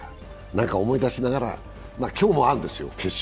思い出しながら、今日もあるんですよ、決勝。